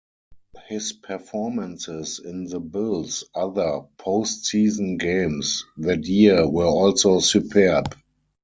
His performances in the Bills other postseason games that year were also superb.